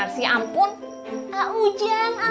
marah innung ga pernah jadi karir